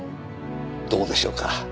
どうでしょうか。